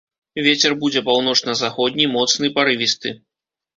Вецер будзе паўночна-заходні, моцны, парывісты.